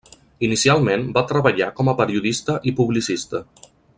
Inicialment va treballar com a periodista i publicista.